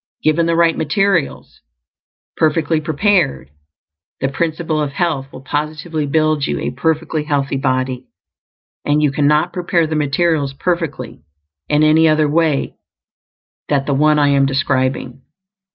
Given the right materials, perfectly prepared, the Principle of Health will positively build you a perfectly healthy body; and you cannot prepare the materials perfectly in any other way that the one I am describing.